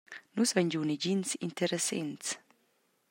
Nus havein giu negins interessents.